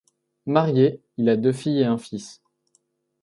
Marié, il a deux filles et un fils.